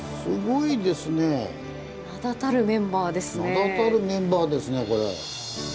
名だたるメンバーですねこれ。